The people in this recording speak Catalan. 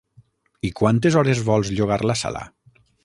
I quantes hores vols llogar la sala?